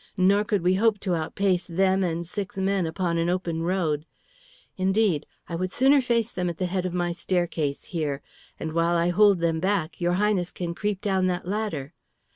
Nor could we hope to outpace them and six men upon an open road; indeed, I would sooner face them at the head of my staircase here. And while I hold them back your Highness can creep down that ladder."